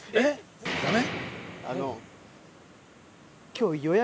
ダメ？